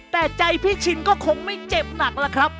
แต่ใจพี่ชินก็คงไม่เจ็บหนักล่ะครับ